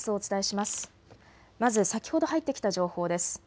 まず先ほど入ってきた情報です。